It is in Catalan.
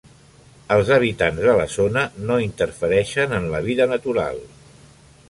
Els habitants de la zona no interfereixen en la vida natural.